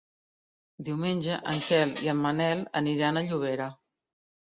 Diumenge en Quel i en Manel aniran a Llobera.